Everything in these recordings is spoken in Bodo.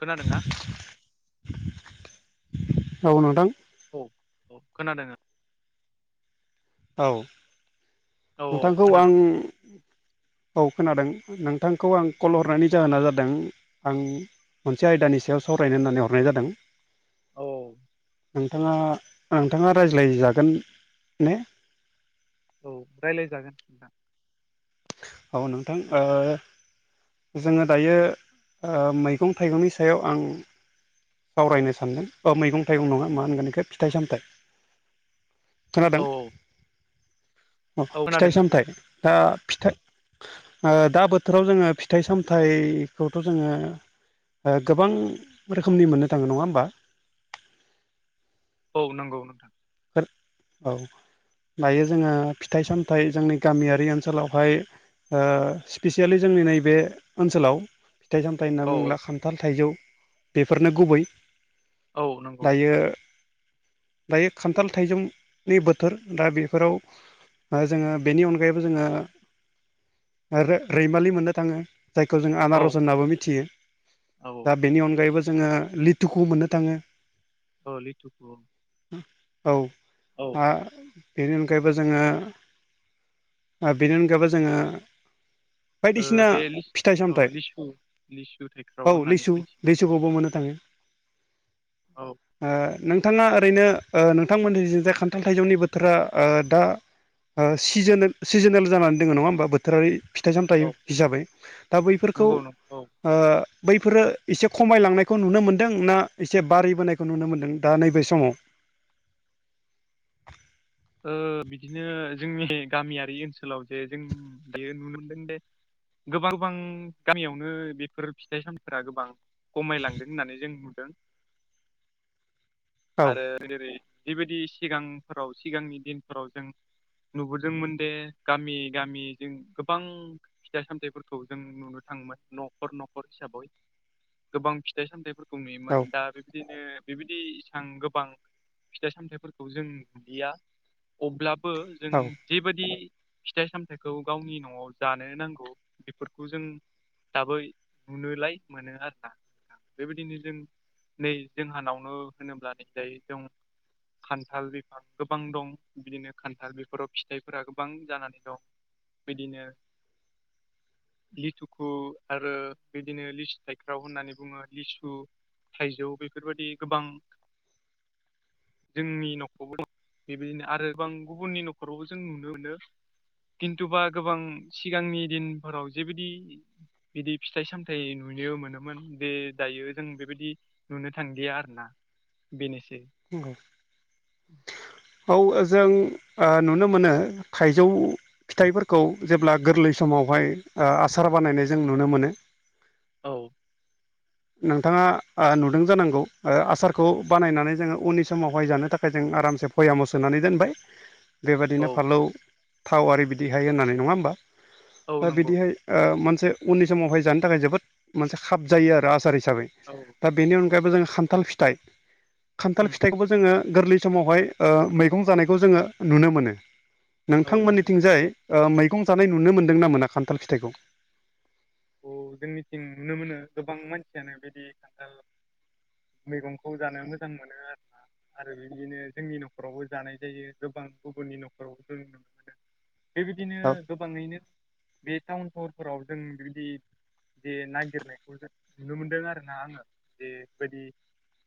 खोनादों ना? औ नोंथां। औ औ खोनादों। औ औ नोंथांखौ आं खोनादों औ खोनादों नों नोंथांखौ आं कल हरनायनि जाहोना जादों। आं मोनसे आयदानि सायाव सावरायनो होननानै हरनाय जादों। औ नोंथाङा नोंथाङा रायज्लायजागोन ने औ रायज्लायजागोन नोंथां ‌। औ नोंथां ओ जोङो दायो मैगं थाइगंनि सायाव आं सावरायनो सानगोन अ मैगं थाइगं नङा मा होनगोन बेखौ फिथाइ सामथायाइ औ खोनादों? औ औ फिथाइ खोनादों सामथायाइ दा फिथाइ ओ दा बोथोराव जोङो फिथाइ सामथायाइखौथ' जोङो ओ गोबां रोखोमनि मोननो थाङो नङा होमबा? औ नंगौ नोंथां। औ दायो जोङो फिथाइ सामथाइ जोंनि गामियारि ओनसोलावहाय ओ स्पिसियेलि जोंनि नैबे ओनसोलाव फिथाइ सामथाइ फिथाय होनना औ बुङोब्ला खान्थाल थाइजौ बेफोरनो गुबै। औ नंगौ दायो दायो खान्थाल थाइजौनि बोथोर दा बेफोराव ओ जोङो बेनि अनगायैबो जोङो ओ रैमालि मोननो थाङो। जायखौ जों औ आनारस होननाबो मिथियो औ दा बेनि अनगायैबो जोङो लिथुखौ मोननो थाङो। औ लिथुखौ औ औ आ बेनि अनगायैबो जोङो ओ बेनि अनगायैबो जोङो ओ बायदिसिना बे फिथाइ औ सामथायाइ लिसु लिसु थाइख्राव औ होननानै लिसु मिथियो लिसु सुखौबो मोननो थाङो औ ओ नोंथाङा ओरैनो ओ नोंथांमोननि जे खान्थाल थाइजौनि बोथोरा ओ दा ओ सिजोन सिजोनेल जानानै दङ नङा होमबा बोथोरारि फिथाइ सामथाइ औ हिसाबै दा बैफोरखौ नंगौ नंगौ औ ओ बैफोरो एसे खमायलांनायखौ नुनो मोन्दों ना एसे बारिबोनायखौ नुनो मोन्दों दा नैबे समाव [inaudible] ओ बिदिनो जोंनि गामियारि ओनसोलाव जे जों दायो नुनो मोनदों दे गोबां गोबां गामियावनो बेफोर फिथाइ सामथाइफोरा गोबां कमाय लांदों होननानै जों नुदों। औ आरो जेरै जिबायदि सिगांफोराव सिगांनि दिनफोराव जों नुबोदोंमोन दे गामि गामि जों गोबां फिथाइ सामथाइफोरखौ जों नुनो थाङोमोन नखर नखर हिसाबै गोबां फिथाइ सामथाइफोर खौ औ नुयोमोन दा बेबायदिनो बेबायदि आं गोबां फिथाइ सामथाइफोरखौ जों नुलिया अब्लाबो जों औ जेबादि फिथाइ सामथाइखौ गावनि न'वाव जानो नांगौ बेफोरखौ जों दाबै नुनोलाय मोनो आरोना‌। बेबायदिनो जों नै जोंहानावनो होनोब्ला नैजाय जों [unintelligible] खान्थाल बिफां गोबां दं बिदिनो खान्थाल बेफोराव फिथाइफोरा गोबां जानानै दं। बिदिनो लिथुखु आरो बिदिनो लिसु थाइख्राव होननानै बुङो लिसु थाइजौ बेफोरबायदि गोबां जोंनि न'खरावबो [unintelligible] बेबायदिनो आरोबां गुबुननि नखरावबो जों नुनो मोनो। दिनतु बा गोबां सिगांनि दिनफोराव जिबादि बिदि फिथाइ सामथाइ नुनो मोनोमोन बे दायो जों बेबादि नुनो थांलिया आरोना। बेनोसै नंगौ औ जों ओ नुनो मोनो थाइजौ फिथाइफोरखौ जेब्ला गोरलै समावहाय ओ आसार बानायनाय जों नुनो मोनो। औ नोंथाङा ओ नुदों जानांगौ ओ आसारखौ बानायनानै जोङो उननि समावहाय जानो थाखाय जों आरामसे भोयामाव सोनानै दोनबाय। बेबायदिनो औ फालौ थाव आरि बिदिहाय होननानै नङा ओमबा औ दा नंगौ बिदिहाय ओ मोनसे उननि समावहाय जानो थाखाय जोबोद मोनसे खाब जायो आरो आसार हिसाबै औ दा बेनि नंगौ अनगायैबो जोङो खान्थाल फिथाइ खान्थाल उम फिथाइखौबो जोङो गोरलै समावहाय ओ मैगं जानायखौ जोङो नुनो मोनो औ नंगौ नोंथांमोननिथिंजाय ओ मैगं जानाय नुनो मोन्दोंना मोना खान्थाल फिथाइखौ औ जोंनिथिं नुनो मोनो गोबां मानसियानो बिदि खान्थाल मैगंखौ जानो मोजां मोनो आरोना। आरो बिदिनो जोंनि नखरावबो जानाय जायो गोबां गुबुननि नखरावबो जों मोनो [inaudible] बेबायदिनो औ गोबाङैनो बे टाउन सहरफोराव जों बि दि जे नागिरनायखौ नुनो मोनदों आरोना आङो बेबायदि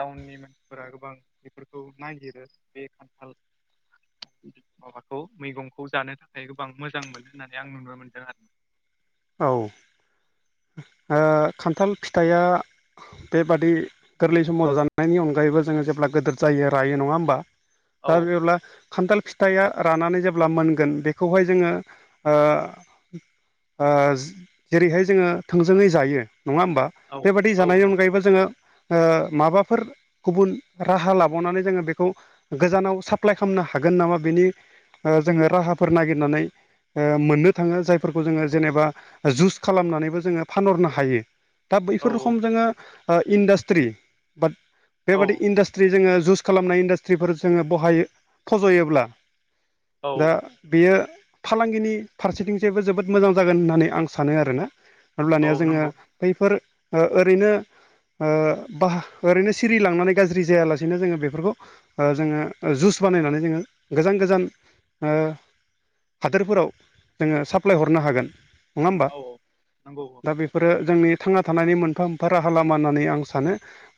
टाउननि मानसिफोरा गोबां बेफोरखौ नागिरो बे खान्थाल बि माबाखौ मैगंखौ जानो थाखाय गोबां मोजां मोनो होननानै आं नुनो मोनदों आरोना औ ओ खान्थाल फिथाइया बेबादि गोरलै समाव जानायनि अनगायैबो जोङो जेब्ला गोदर जायो रायो नङा ओमबा दा औ जेब्ला खान्थाल फिथाइया रानानै जेब्ला मोनगोन बेखौहाय जोङो ओ ओ जेरैहाय जोङो थोंजोङै जायो नङा ओमबा? औ बेबायदि औ जानायनि नंगौ अनगायैबो जोङो ओ माबाफोर गुबुन राहा लाबावनानै जोङो बेखौ गोजानाव साप्लाय खालामनो हागोन नामा बेनि ओ जोङो राहाफोर नागिरनानै ओ मोननो थाङो जायफोरखौ जोङो जेनेबा जुस खालामनानैबो जोङो फानहरनो हायो दा औ बैफोर रखम जोङो ओ इन्डास्ट्रि बाट औ बेबादि इडास स्ट्रि जोङो जुस खालामनाय इन्डास्ट्रिफोर जोङो बहायो फज'योब्ला दा औ बेयो फालांगिनि फारसेथिंसायबो जोबोद मोजां जागोन होननानै आं सानो आरोना। औ अब्लानिया जोङो नंगौ बैफोर ओरैनो ओ बाह ओरैनो सिरि लांनानै गाज्रि जायालासेनो जोङो बेफोरखौ जोङो जुइस बानायनानै जोङो गोजान गोजान ओ हादोरफोराव ओ जोङो साप्लाय हरनो हागोन नङा होमबा औ नंगौ औ दा बे आरो जोंनि थांना थानायनि मोनफा मोनफा राहा लामा होननानै आं सानो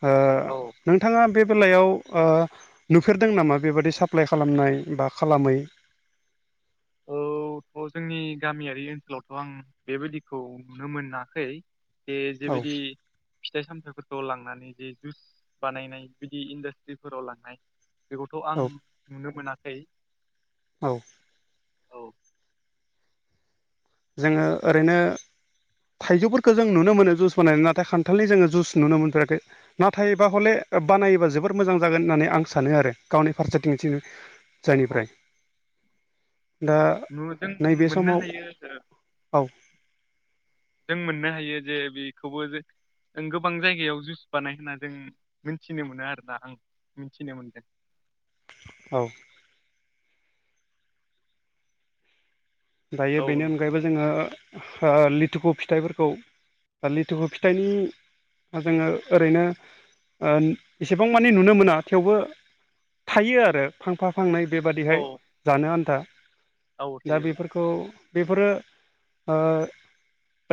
ओ नोंथाङा बे बेलायाव नुफेरदों नामा बेबादि साप्लाइ खालामनाय बा खालामैनो औ। थ' जोंनि गामियारि ओनसोलावथ' आं बेबादिखौ नुनो मोनाखै बे औ जेबादि फिथाइ सामथाइफोरखौ लांनानै जे जुस बानायनाय बिदि इन्डास्ट्रिफोराव लांनाय बेखौथ' औ आं नुनो मोनाखै। औ। औ। जोङो ओरैनो ओ थाइजौफोरखौ जों नुनो मोनो जुस बानायनानै नाथाय खानथालनि जोङो जुस नुनो मोनफेराखैनो नाथायबा हले बानायोबा जोबोर मोजां जागोन होननानै आं सानो आरो गावनि फारसेथिंनोसो औ जायनिफ्राय दा नु जों नैबे समाव [unintelligible] औ। जों मोननो हायो जे बेखौबो जों गोबां जायगायाव जुस बानाय होनना जों मिथिनो मोनो आरोना आं मिथिनो मोनदों औ। दायो औ बेनि नोंथां अनगायैबो जोङो लिथुखु फिथाइफोरखौ दा लिथुखौ फिथाइनि जोङो ओरैनोओ एसेबां मानि नुनो मोना थेवबो थायो आरो। फांफा फांनै औ बेबादिहाय जानो आनथा औ दा थायो बेफोरो खौ बेफोरो आंओ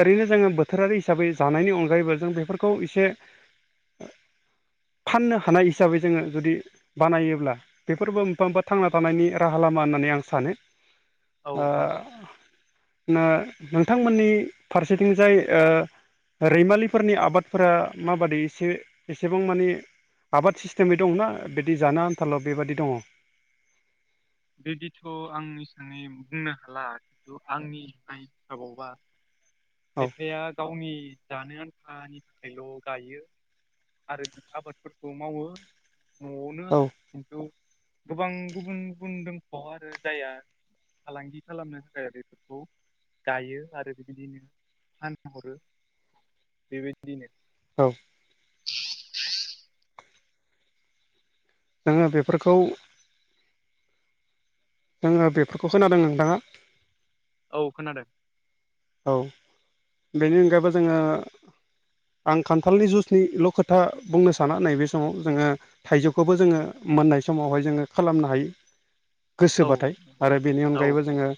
ओरैनो जोङो बोथोरारि हिसाबै जानायनि अनगायैबो जों बेफोरखौ एसेसो फाननो हानाय हिसाबै जोङो जुदियो बानायोब्ला बेफोरबो मोनफा मोनफा थांना थानायनि राहा लामा होननानै आं सानो। औ नंगौ नोंथांमोननि फारसेथिं जायो रैमालिफोरनि आबादफोरा माबादि एसे एसेबां माने आबाद सिस्टेमै दङना बिदि जान आनथाल' बेबायदि दङ। बिदिथ' आं इसांयै बुंनो हाला खिन्थु आंनि हिसबावबा औ खायफाया गावनि जानो आन्थानि थाखायल' गायो आरो बि आबादफोरखौ मावो न'आवनोओ खिन्थु गोबां गुबुन गुबुन दोंख'आव आरो जाया ओ फालांगि खालामनो थाखाय बेफोरखौ गायो आरो बिबादिनो फानहरो बेबादिनो औ। [unintelligible] नोङो बेफोरखौ जोङो बेफोरखौ खोनादों नोंथाङा औ खोनादों। औ बेनि अनगायैबो जोङोओ आं खान्थालनि जुइसनिल' खोथा बुंनो साना नैबे समाव जोङो थाइजौखौबो जोङो मोननाय समावहाय जोङो खालामनो हायो। औ गोसोबाथाय नंगौ आरो बेनि औ अनगायैबो जोङो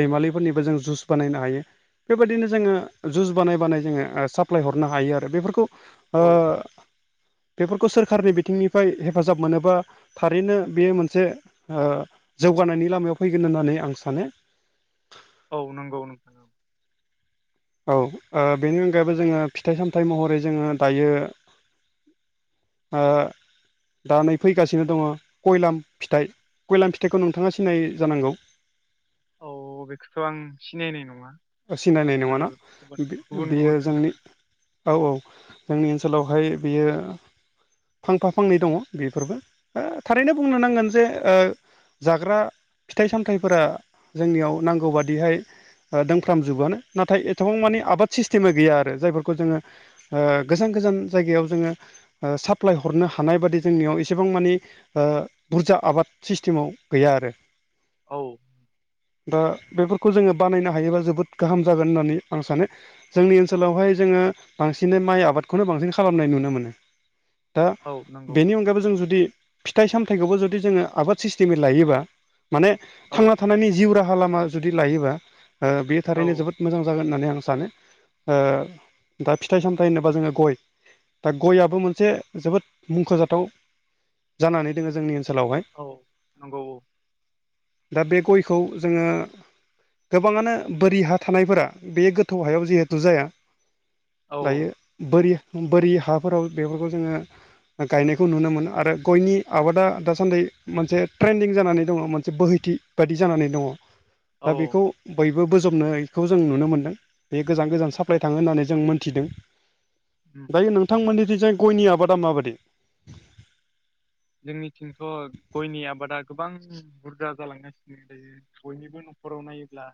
रैमालिफोरनिबो जों जुइस बानायनो हायो बेबायदिनो जोङो जुस बानाय बानाय जोङो साप्लाय हरनो हायो आरो बेफोरखौ ओ औ बेफोरखौ सोरखारनि बिथिंनिफ्राय हेफाजाब मोनोबा थारैनो बेयो मोनसे ओ जौगानायनि लामायाव फैगोन होननानै आं सानो औ नंगौ नोंथां औ औ बेनि अनगायैबो जोङो फिथाइ सामथाइ महरै जोङो दायो ओ दा नै फैगासिनो दङ खयलाम फिथाइ खयलाम फिथाइखौ नोंथाङा सिनाय जानांगौ औ बेखौथ' आं सिनायनाय नङा सिनायनाय नङाना गो- गुबुन गुबुन बेयो गुबुन जोंनि होनोना औ औ जोंनि ओनसोलावहाय बियो फांफा फांनै दङ बेफोरबो थारैनो बुंनो नांगोन जे ओ जाग्रा फिथाइ सामथाइफोरा जोंनियाव नांगौ बादिहाय फ्रामजोबोयानो नाथाय एथबां मानि आबाद सिस्टेमबो गैया आरो जायफोरखौ जोङो ओ गोजान गोजान जायगायाव जोङो साप्लाय हरनो हानाय बादि जोंनियाव एसेबां मानि बुरजा आबाद सिस्टेमाव गैया आरो औ दा बेफोरखौ जोङो बानायनो हायोबा जोबोद गाहाम जागोन होननानै आं सानो जोंनि ओनसोलावहाय जोङो बांसिनै माइ आबादखौनो बांसिन खालामनाय नुनो मोनो दा औ नंगौ बेनि अनगायैबो जों जुदि फिथाइ सामथाइखौबो जुदि जोङो आबाद सिस्टेमै लायोबा माने औ थांना थानायनि जिउ राहा राहा लामा जुदि लायोबा बे थारैनो औ जोबोद मोजां जागोन होननानै आं सानो दा फिथाइ सामथाइ होनोबा जोङो गय दा गयाबो मोनसे जोबोद मुंख'जाथाव जानानै दोङो जोंनि ओनसोलावहाय औ नंगौ औ दा बे गयखौ जोङो गोबाङानो बोरि हा थानायफोरा बे गोथौ हायाव जिहेथु जाया औ दायो बोरि बोरि हाफोराव बेफोरखौ जोङो गायनायखौ नुनो मोनो आरो गयनि आबादा दासान्दि मोनसे ट्रेन्दिं जानानै दङ मोनसे बोहैथि बादि जानानै दङ औ दा बेखौ बयबो बोजबनायखौ जों नुनो मोनदों बे गोजान गोजान औ साप्लाइ थाङो होननानै जों मोन्थिदों उम। दायो नोंथांमोननि दि जाय गयनि आबादा माबायदि जोंनिथिंथ' गयनि आबादा गोबां बुरजा जालांगासिनो दायो बयनिबो न'खराव नायोब्ला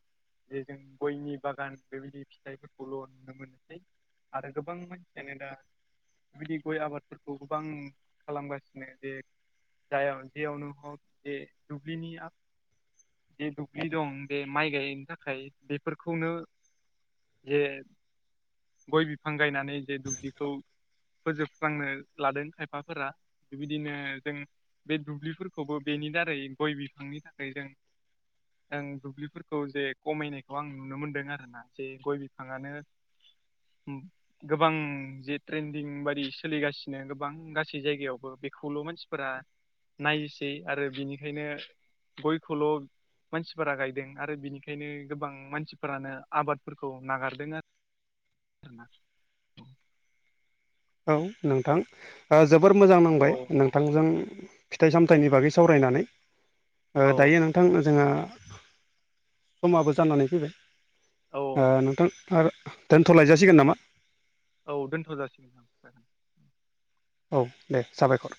जे जों गयनि बागान बेबायदि फिथाइफोरखौल' नुनो मोनसै आरो गोबां मानसियानो दा बिदि गय आबादफोरखौ गोबां खालामगासिनो जे जाय जेयावनो हक जे दुब्लिनि बे दुब्लि दं बे माइ गायनो थाखाय बेफोरखौनो जे गय बिफां गायनानै जे दुब्लिखौ फोजोबस्रांनो लादों खायफाफोरा बेबायदिनो जों बे दुब्लिफोरखौबो बेनि दारै गय बिफांनि थाखाय जों आं दुब्लिफोरखौ जे खमायनायखौ आं नुनो मोनदों आरो ना जे गय बिफाङानो औ गोबां जे ट्रेन्दिं बायदि सोलिगासिनो गोबां गासै जायगायावबो बेखौल' मानसिफोरा नायोसै आरो बिनिखायनो गयखौल' मानसिफोरा गायदों आरो बिनिखायनो गोबां मानसिफोरानो आबादफोरखौ नागारदों आरो [inaudible] औ नोंथां जोबोर मोजां औ नांबाय नोंथांजों फिथाइ सामथाइनि बागै सावरायनानै औ दायो नों थां जोंहा समाबो जानानै फैबाय औ ओ नोंथां आर दोनथ'लायजासिगोन नामा? औ दोन्थ' जासिगोन [unintelligible] औ दे साबायखर।